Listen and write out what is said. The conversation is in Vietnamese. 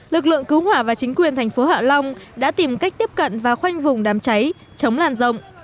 lực lượng cứu hỏa và chính quyền thành phố hạ long đã tìm cách tiếp cận và khoanh vùng đám cháy chống làn rộng